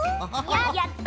やった！